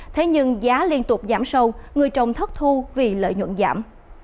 thế nhưng giá liên tục giảm sâu người trồng thất thu vì lợi nhuận giảm